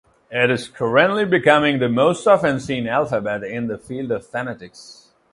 It is currently becoming the most often seen alphabet in the field of phonetics.